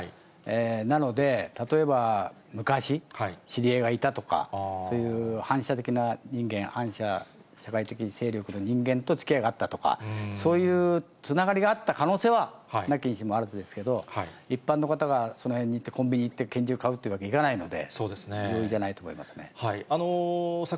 なので、例えば昔、知り合いがいたとかという、そういう反社的な人間、反社、反社会的勢力の人間とつきあいがあったとか、そういうつながりがあった可能性はなきにしもあらずですけれども、一般の方がその辺に行ってコンビニ行って拳銃買うというわけにいかないので。